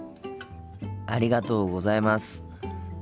ありがとうございます。